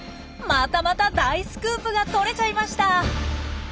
またまた大スクープが撮れちゃいました。